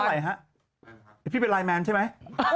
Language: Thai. ว่าพี่เป็นไลน์แมนใช่ไหม